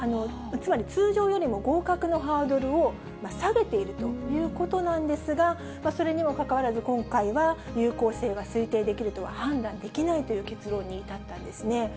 つまり、通常よりも合格のハードルを下げているということなんですが、それにもかかわらず、今回は有効性が推定できるとは判断できないという結論に至ったんですね。